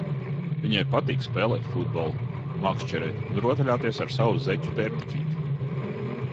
Viņai patīk spēlēt futbolu, makšķerēt un rotaļāties ar savu zeķu pērtiķīti!